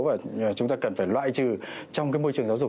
và chúng ta cần phải loại trừ trong môi trường giáo dục